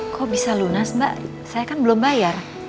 kok bisa lunas mbak saya kan belum bayar